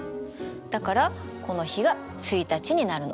だからこの日が１日になるの。